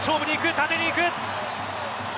縦に行く。